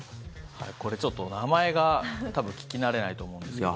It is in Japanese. これ、ちょっと名前が聞き慣れないと思うんですけど。